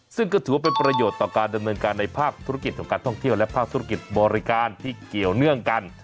ซึ่งก็ถือว่าเป็นประโยชน์ต่อการดำเนินการในภาคธุรกิจของการท่องเที่ยวและภาคธุรกิจบริการที่เกี่ยวเนื่องกัน